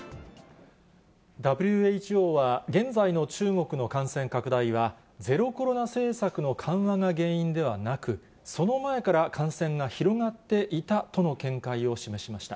ＷＨＯは、現在の中国の感染拡大は、ゼロコロナ政策の緩和が原因ではなく、その前から感染が広がっていたとの見解を示しました。